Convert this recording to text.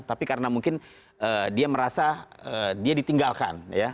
tapi karena mungkin dia merasa dia ditinggalkan